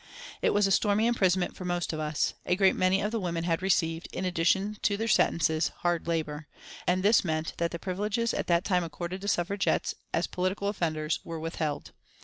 It was a stormy imprisonment for most of us. A great many of the women had received, in addition to their sentences, "hard labour," and this meant that the privileges at that time accorded to Suffragettes, as political offenders, were withheld.